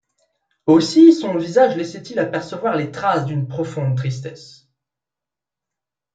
Aussi son visage laissait-il apercevoir les traces d’une profonde tristesse.